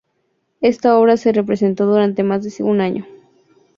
Esta obra se representó durante más de un año.